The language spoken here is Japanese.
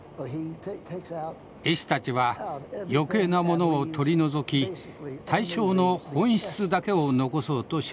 絵師たちは余計なものを取り除き対象の本質だけを残そうとします。